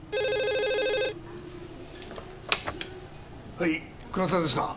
はい倉田ですが。